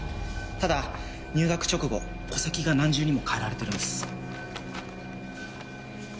ただ入学直後戸籍が何重にも変えられてるんです。